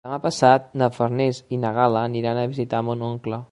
Demà passat na Farners i na Gal·la aniran a visitar mon oncle.